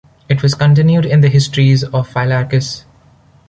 It was continued in the "Histories" of Phylarchus.